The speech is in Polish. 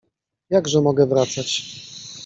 Jakże mogę wracać?